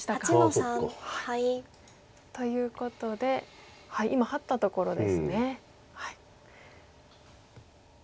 そっか。ということで今ハッたところですね。